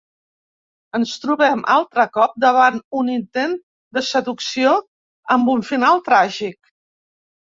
Ens trobem, altre cop, davant un intent de seducció amb un final tràgic.